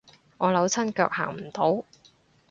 我扭親腳行唔到